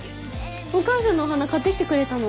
お母さんのお花買って来てくれたの？